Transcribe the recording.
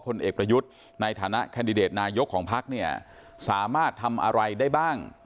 เอกประยุทธ์ในฐานะแคนดิเดตนายกของพักเนี่ยสามารถทำอะไรได้บ้าง